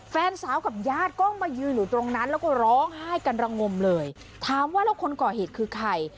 แฟนสาวกับญาติก็มายืนอยู่ตรงนั้นแล้วก็ร้องไห้กันระงมเลยถามว่าแล้วคนก่อเหตุคือใคร